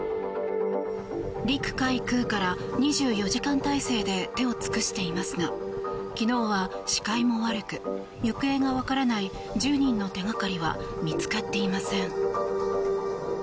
陸海空から２４時間態勢で手を尽くしていますが昨日は視界も悪く行方がわからない１０人の手掛かりは見つかっていません。